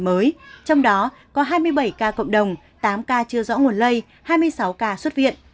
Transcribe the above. trong đó có hai mươi bảy ca cộng đồng tám ca chưa rõ nguồn lây hai mươi sáu ca xuất viện